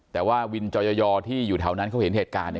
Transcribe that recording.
แต่ว่าวินจอยอที่อยู่แถวนั้นเขาเห็นเหตุการณ์